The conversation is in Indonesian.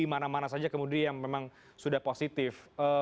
mana mana saja kemudian memang sudah positif